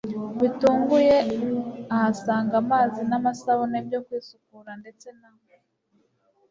bitunguye ahasanga amazi n'amasabune byo kwisukura ndetse na